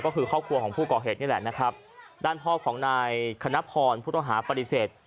ก็คือครอบครัวของผู้ก่อเหตุนี่แหละนะครับด้านพ่อของนายคณพรผู้ต้องหาปฏิเสธ